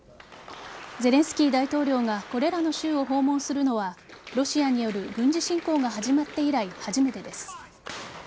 ゼレンスキー大統領がこれらの州を訪問するのはロシアによる軍事侵攻が始まって以来初めてです。